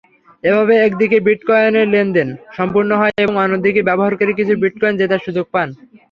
এভাবে একদিকে বিটকয়েনের লেনদেন সম্পূর্ণ হয় এবং অন্যদিকে ব্যবহারকারী কিছু বিটকয়েন জেতার সুযোগ পান।